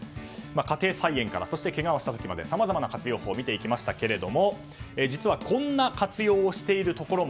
家庭菜園からそして、けがをした時までさまざまな活用法を見ていきましたが実はこんな活用法をしているところも。